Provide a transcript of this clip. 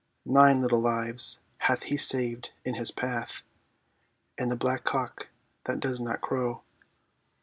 "Nine little lives hath he saved in his path ..." And the black cock that does not crow.